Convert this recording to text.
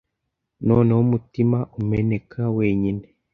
noneho umutima umeneka wenyine